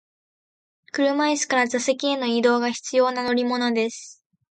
車椅子から座席への移動が必要な乗り物です。